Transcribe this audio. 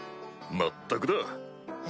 まったくだ。